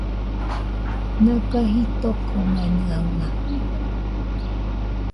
Naga jitokomenɨaɨna